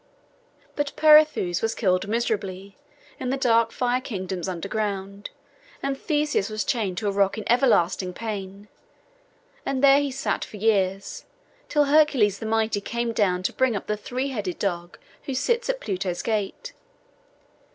But Peirithoos was killed miserably, in the dark fire kingdoms under ground; and Theseus was chained to a rock in everlasting pain. And there he sat for years, till Heracles the mighty came down to bring up the three headed dog who sits at Pluto's gate.